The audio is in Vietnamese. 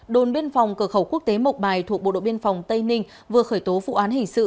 đồn biên phòng cửa khẩu quốc tế mộc bài thuộc bộ đội biên phòng tây ninh vừa khởi tố vụ án hình sự